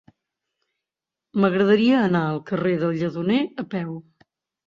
M'agradaria anar al carrer del Lledoner a peu.